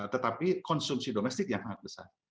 tetapi konsumsi domestik yang sangat besar